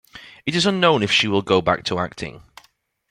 It is unknown if she will go back to acting.